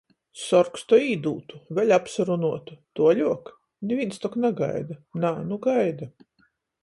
Sorgs to īdūtu. Vēļ apsarunuotu. Tuoļuok? Nivīns tok nagaida. Nā, nu gaida.